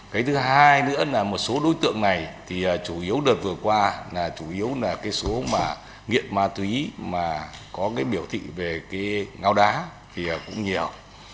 cái thứ hai nữa là một số đối tượng này thì chủ yếu đợt vừa qua là chủ yếu là cái số mà nghiện ma túy mà có cái biểu thị về cái ngáo đá thì cũng nhiều